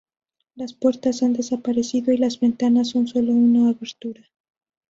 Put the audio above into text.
Las puertas han desaparecido y las ventanas son sólo una abertura.